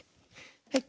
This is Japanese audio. はい。